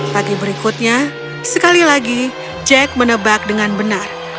pagi berikutnya sekali lagi jack menebak dengan benar